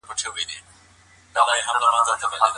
پرېکړې بايد د بشري حقونو پر بنسټ وي.